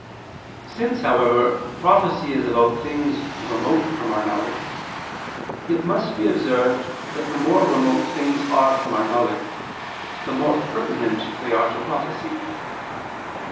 Since, however, prophecy is about things remote from our knowledge, it must be observed that the more remote things are from our knowledge the more pertinent they are to prophecy.